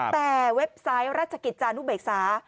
แต่เว็บไซต์ราชกิจจานุเบกษา